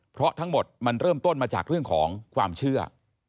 เพราะทั้งหมดมันเริ่มต้นมาจากเรื่องของความเชื่อ